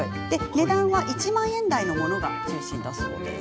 値段は１万円台のものが中心です。